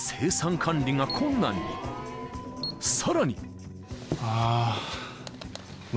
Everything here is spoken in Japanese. ［さらに］